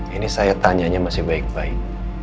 ini saya tanyanya masih baik baik